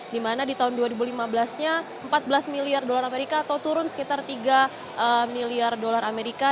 di mana di tahun dua ribu lima belas nya empat belas miliar dolar amerika